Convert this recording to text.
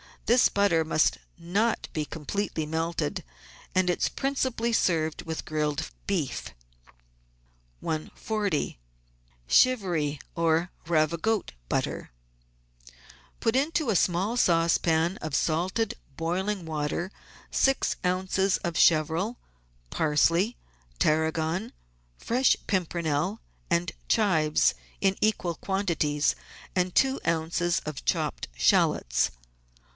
This butter must not be completely melted, and it is prin cipally served with grilled beef. 140— CHIVRY OR RAVIQOTE BUTTER Put into a small saucepan of salted, boiling water six oz. of chervil, parsley, tarragon, fresh pimpernel, and chives, in equal quantities, and two oz. of chopped shallots.